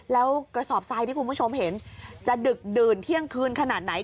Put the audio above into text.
แล้วกระสอบทรายที่คุณผู้ชมเห็นจะดึกดื่นเที่ยงคืนขนาดไหน